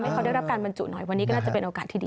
เขาได้รับการบรรจุหน่อยวันนี้ก็น่าจะเป็นโอกาสที่ดี